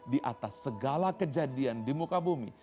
di atas segala kejadian di muka bumi